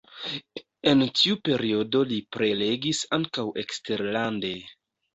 En tiu periodo li prelegis ankaŭ eksterlande.